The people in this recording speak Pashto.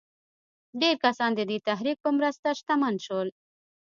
ډېر کسان د دې تحرک په مرسته شتمن شول.